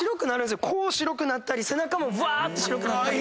こう白くなったり背中もぶわーって白くなったり。